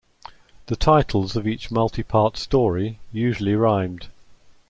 The titles of each multi-part story usually rhymed.